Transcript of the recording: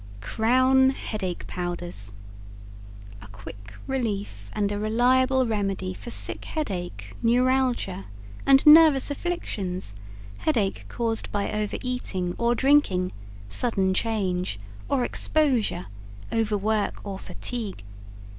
Crown Headache Powders A Quick Relief and a Reliable Remedy for Sick Headache, Neuralgia and Nervous Affections, Headache Caused by Over eating, or Drinking, Sudden Change, or Exposure, Overwork or Fatigue.